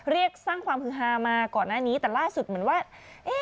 เรียกสร้างความฮือฮามาก่อนหน้านี้แต่ล่าสุดเหมือนว่า